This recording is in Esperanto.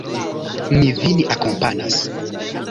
Mi vin akompanas.